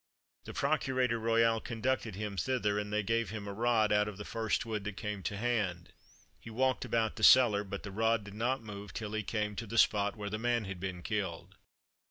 The procurator royal conducted him thither; and they gave him a rod out of the first wood that came to hand. He walked about the cellar, but the rod did not move till he came to the spot where the man had been killed.